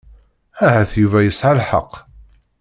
Ahat Yuba yesɛa lḥeqq.